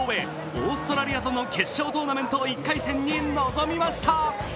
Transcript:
オーストラリアとの決勝トーナメント１回戦に臨みました。